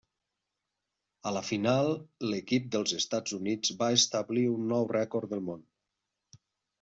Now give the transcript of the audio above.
A la final l'equip dels Estats Units va establir un nou rècord del món.